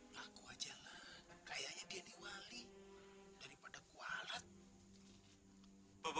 lakukan saja lah kayaknya dia diwali daripada kualet